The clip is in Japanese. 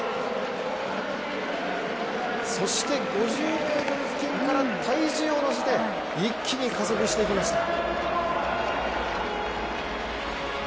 そして５０ｍ付近から体重を乗せて一気に加速していきました。